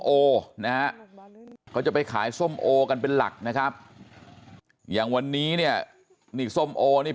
โอนะฮะเขาจะไปขายส้มโอกันเป็นหลักนะครับอย่างวันนี้เนี่ยนี่ส้มโอนี่